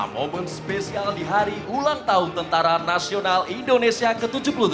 momen spesial di hari ulang tahun tentara nasional indonesia ke tujuh puluh tujuh